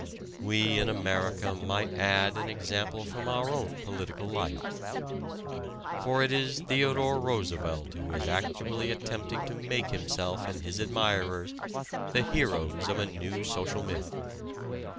We in America might add an example from our own political life. For it is Theodore Roosevelt who is actually attempting to make himself and his admirers the heroes of a new social myth.